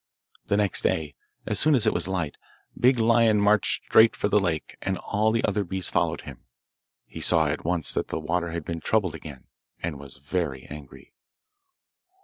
The next day, as soon as it was light, Big Lion marched straight for the lake, and all the other beasts followed him. He saw at once that the water had been troubled again, and was very angry.